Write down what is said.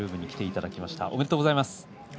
おめでとうございます。